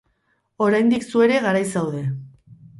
Oraindik zu ere garaiz zaude!